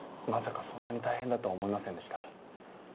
まさかそんなに大変だとは思いませんでした。